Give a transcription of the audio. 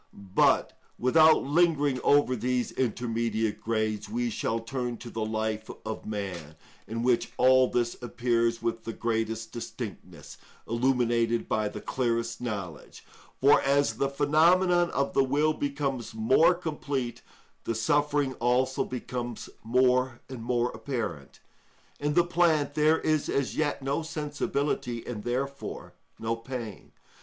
But without lingering over these intermediate grades, we shall turn to the life of man, in which all this appears with the greatest distinctness, illuminated by the clearest knowledge; for as the phenomenon of will becomes more complete, the suffering also becomes more and more apparent. In the plant there is as yet no sensibility, and therefore no pain.